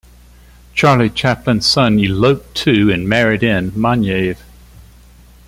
Charlie Chaplin's son eloped to and married in Moniaive.